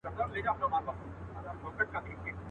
زندان سو انسانانو ته دنیا په کرنتین کي.